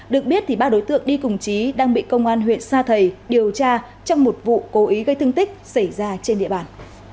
được biết ba đối tượng đi cùng trí đang bị công an huyện sa thầy điều tra trong một vụ cố ý gây thương tích xảy ra trên địa bàn